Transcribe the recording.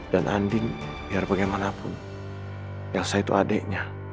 dan anding biar bagaimanapun elsa itu adeknya